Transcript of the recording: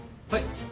はい。